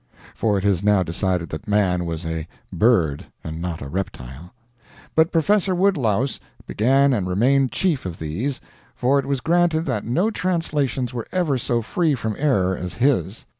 [For it is now decided that Man was a bird and not a reptile.] But Professor Woodlouse began and remained chief of these, for it was granted that no translations were ever so free from error as his.